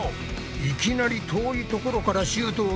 いきなり遠いところからシュートを決めたあなた